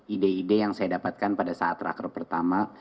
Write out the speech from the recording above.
ide ide yang saya dapatkan pada saat raker pertama